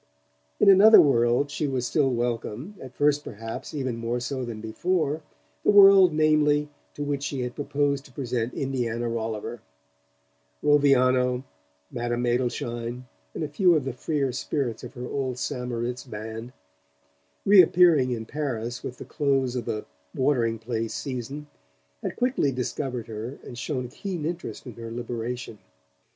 In another world she was still welcome, at first perhaps even more so than before: the world, namely, to which she had proposed to present Indiana Rolliver. Roviano, Madame Adelschein, and a few of the freer spirits of her old St. Moritz band, reappearing in Paris with the close of the watering place season, had quickly discovered her and shown a keen interest in her liberation.